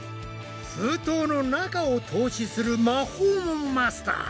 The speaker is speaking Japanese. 封筒の中を透視する魔法もマスター！